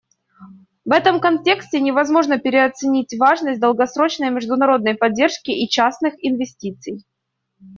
В этом контексте невозможно переоценить важность долгосрочной международной поддержки и частных инвестиций.